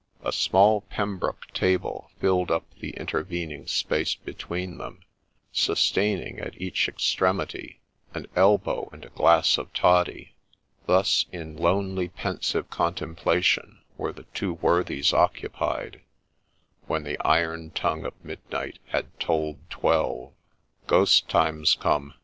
A small pembroke table filled up the intervening space between them, sustaining, at each extremity, an elbow and a glass of toddy ;— thus in ' lonely pensive contemplation ' were the two worthies occupied, when the ' iron tongue of midnight had tolled twelve.' ' Ghost time 's come